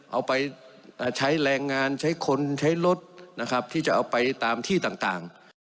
เอาไปใช้แรงงานใช้คนใช้รถนะครับที่จะเอาไปตามที่ต่าง